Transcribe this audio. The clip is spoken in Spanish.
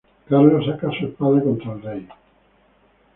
Carlos saca su espada contra el rey.